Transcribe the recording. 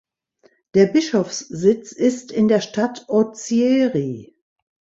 Der Bischofssitz ist in der Stadt Ozieri.